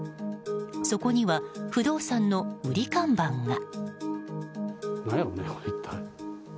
そこには不動産の売り看板が。